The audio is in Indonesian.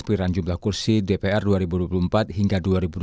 kepikiran jumlah kursi dpr dua ribu dua puluh empat hingga dua ribu dua puluh